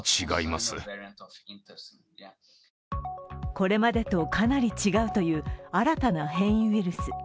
これまでとかなり違うという新たな変異ウイルス。